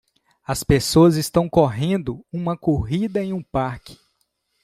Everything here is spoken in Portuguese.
As pessoas estão correndo uma corrida em um parque.